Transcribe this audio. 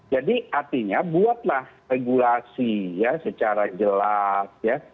jadi artinya buatlah regulasi ya secara jelas ya